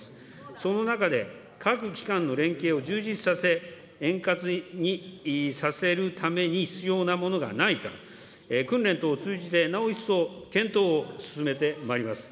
その中で各機関の連携を充実させ、円滑にさせるために必要なものが何か、訓練等を通じてなお一層検討を進めてまいります。